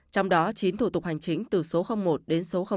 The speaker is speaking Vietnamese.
trong đó chín thủ tục hành chính từ số một đến số năm